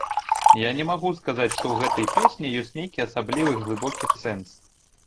Я не магу сказаць, што ў гэтай песні ёсць нейкі асаблівы глыбокі сэнс.